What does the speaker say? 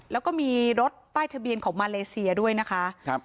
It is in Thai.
แล้วก็มีรถป้ายทะเบียนของมาเลเซียด้วยนะคะครับ